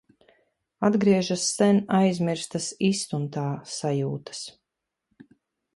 Atgriežas sen aizmirstas izstumtā sajūtas...